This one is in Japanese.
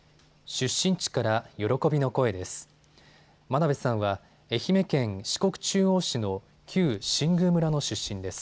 出身地から喜びの声です。